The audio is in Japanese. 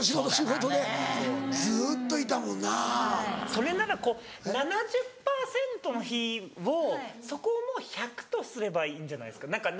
それならこう７０％の日をそこをもう１００とすればいいんじゃないですか。